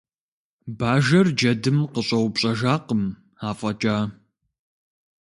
Бажэр джэдым къыщӏэупщӏэжакъым афӏэкӏа.